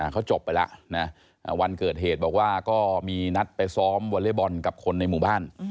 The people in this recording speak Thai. เขาจบไปแล้วนะวันเกิดเหตุบอกว่าก็มีนัดไปซ้อมวอเล็กบอลกับคนในหมู่บ้าน